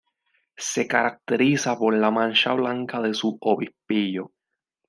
Se caracteriza por la mancha blanca de su obispillo.